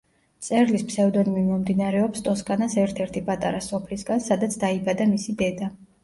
მწერლის ფსევდონიმი მომდინარეობს ტოსკანას ერთ-ერთი პატარა სოფლისგან, სადაც დაიბადა მისი დედა.